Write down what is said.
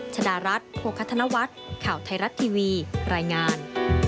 ชดารัฐโภคธนวัฒน์ข่าวไทยรัฐทีวีรายงาน